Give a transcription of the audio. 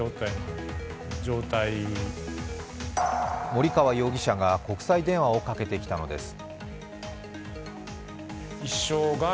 森川容疑者が国際電話をかけてきたのです。